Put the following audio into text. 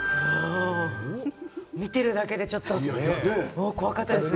見ているだけでちょっと怖かったですね。